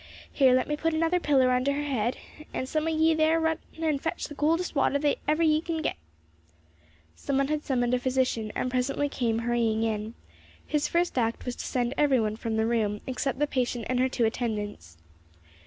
Here, let me put another pillar under her head, and some o' ye there run and fetch the coldest water that ever ye can git." Some one had summoned a physician, and he presently came hurrying in. His first act was to send every one from the room except the patient and her two attendants.